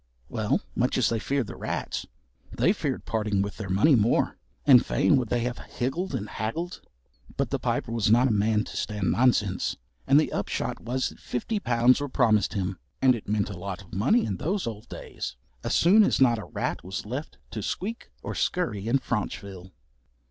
Well, much as they feared the rats, they feared parting with their money more, and fain would they have higgled and haggled. But the Piper was not a man to stand nonsense, and the upshot was that fifty pounds were promised him (and it meant a lot of money in those old days) as soon as not a rat was left to squeak or scurry in Franchville.